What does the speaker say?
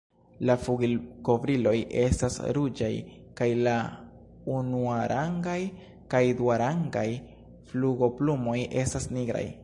La flugilkovriloj estas ruĝaj, kaj la unuarangaj kaj duarangaj flugoplumoj estas nigraj.